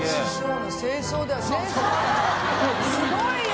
すごいよ！